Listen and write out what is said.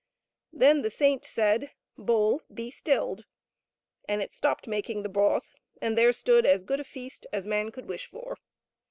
Then the saint said, " Bowl be stilled !" and it stopped making the broth, and there stood as good a feast as man could wish for.